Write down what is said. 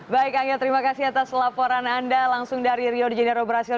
baik anggil terima kasih atas laporan anda langsung dari rio de janeiro brazil